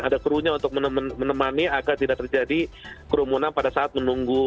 ada krunya untuk menemani agar tidak terjadi kerumunan pada saat menunggu